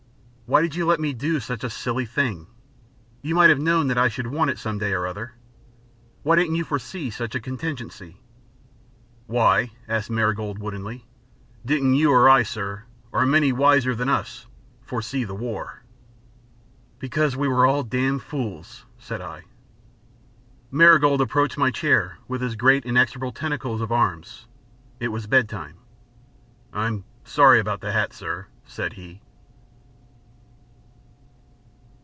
"Why did you let me do such a silly thing? You might have known that I should want it some day or other. Why didn't you foresee such a contingency?" "Why," asked Marigold woodenly, "didn't you or I, sir, or many wiser than us, foresee the war?" "Because we were all damned fools," said I. Marigold approached my chair with his great inexorable tentacles of arms. It was bed time. "I'm sorry about the hat, sir," said he.